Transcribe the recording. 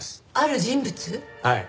はい。